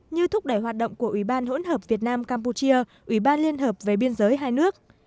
như thúc đẩy hoạt động của ủy ban hỗn hợp việt nam campuchia ủy ban liên hợp về biên giới hai nước